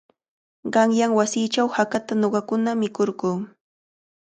Qanyan wasiichaw hakata ñuqakuna mikurquu.